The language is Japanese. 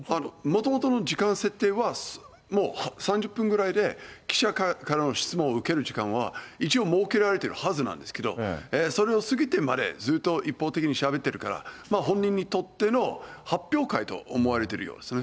もともとの時間設定は、もう３０分ぐらいで記者からの質問を受ける時間は、一応設けられているはずなんですけど、それを過ぎてまでずっと一方的にしゃべってるから、本人にとっての発表会と思われてるようですね。